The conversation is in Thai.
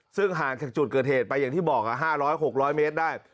ซึ่งห่างจากจุดเกิดเหตุไปอย่างที่บอก๕๐๐๖๐๐เมตรได้